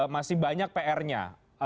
masih banyak pr nya